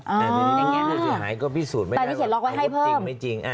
อันนี้ใช้ล็อกมั้ยให้เพิ่ม